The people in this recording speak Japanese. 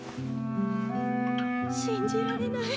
信じられない